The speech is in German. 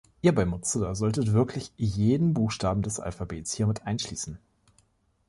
Ihr bei Mozilla solltet wirklich jeden Buchstaben des Alphabets hier mit einschließen.